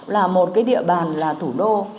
là một cái địa bàn là thủ đô